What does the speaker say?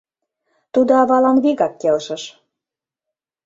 Тудо авалан вигак келшыш.